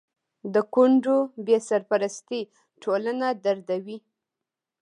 د کونډو بې سرپرستي ټولنه دردوي.